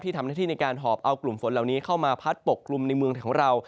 ทำหน้าที่ในการหอบเอากลุ่มฝนเหล่านี้เข้ามาพัดปกกลุ่มในเมืองของเรา